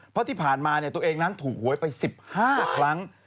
เพราะที่ผ่านมาตัวเองนั้นถูกหวยไป๑๕ครั้ง